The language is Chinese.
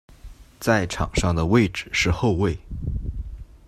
在场上的位置是后卫。